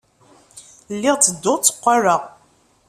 Lliɣ ttedduɣ, tteqqaleɣ.